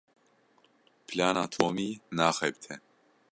Plana Tomî naxebite.